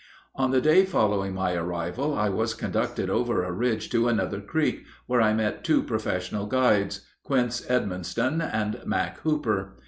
On the day following my arrival I was conducted over a ridge to another creek, where I met two professional guides, Quince Edmonston and Mack Hooper.